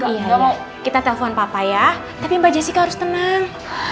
iya kita telpon papa ya tapi mbak jessica harus tenang